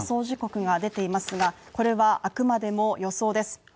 時刻が出ていますが、これはあくまでも予想です